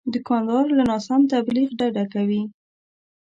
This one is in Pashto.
دوکاندار له ناسم تبلیغ ډډه کوي.